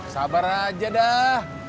sabar aja dah